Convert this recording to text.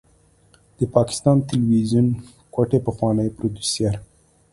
د پاکستان تلويزيون کوټې پخوانی پروديوسر